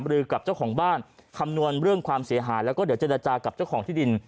หรือกับเจ้าของบ้านคำนวณเรื่องความเสียหายแล้วก็เดี๋ยวเจรจากับเจ้าของที่ดิน